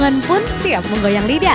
konsumen pun siap menggoyang lidah